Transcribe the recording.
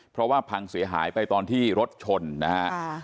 เพราะว่าพังเสียหายไปตอนที่รถชนนะฮะ